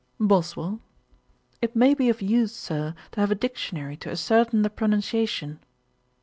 BOSWELL. 'It may be of use, Sir, to have a Dictionary to ascertain the pronunciation.'